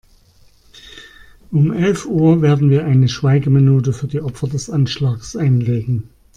Um elf Uhr werden wir eine Schweigeminute für die Opfer des Anschlags einlegen.